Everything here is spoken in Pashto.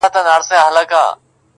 هلته زما د قافلې په سالار ډزې کېدې